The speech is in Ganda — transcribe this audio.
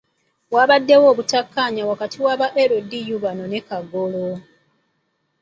Wabaddewo obutakkanya wakati waba LDU bano ne Kagolo.